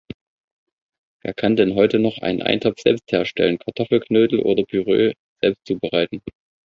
Wer kann denn heute noch einen Eintopf selbst herstellen, Kartoffelknödel oder Püree zubereiten?